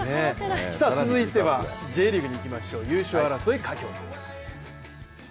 続いてはＪリーグにいきましょう優勝争い、佳境です。